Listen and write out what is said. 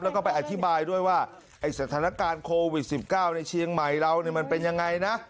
แล้วก็ไปอธิบายด้วยว่าไอ้สถานการณ์โควิด๑๙ในเชียงใหม่เรามันเป็นยังไงนะ